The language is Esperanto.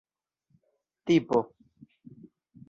tipo